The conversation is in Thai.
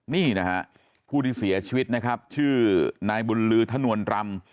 นี่นะฮะผู้ที่เสียชีวิตนะครับชื่อนายบุญลือธนวลรำ